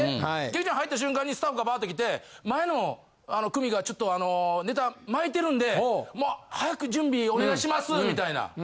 劇場に入った瞬間にスタッフがバーッと来て前の組がちょっとネタ巻いてるんでもう早く準備お願いしますみたいな。